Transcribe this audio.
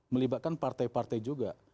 melibatkan partai partai juga